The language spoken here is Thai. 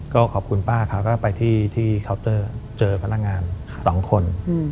ก็ขอบคุณป้าเขาก็ไปที่เคาน์เตอร์เจอพนักงาน๒คน